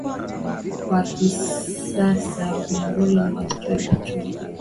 wa kisasa Wahungari na Waestonia Hatua